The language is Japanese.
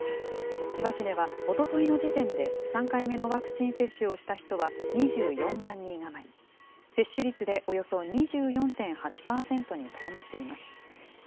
千葉市では、おとといの時点で３回目のワクチン接種をした人は２４万人余り、接種率でおよそ２４．８％にとどまっています。